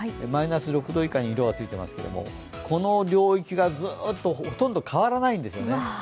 マイナス６度以下に色がついていますけど、この領域がほとんど変わらないんですよね。